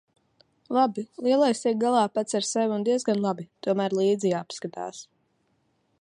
Labi, lielais tiek galā pats ar sevi un diezgan labi. Tomēr līdzi jāpaskatās.